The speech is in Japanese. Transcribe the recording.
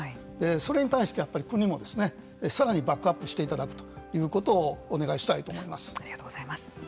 それに対してやっぱり国もさらにバックアップしていただくということをありがとうございます。